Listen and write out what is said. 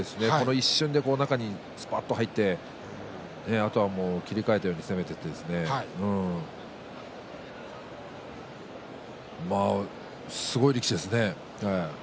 一瞬で中にすぱっと入ってあとは切り替えたように攻めていって、すごい力士ですね。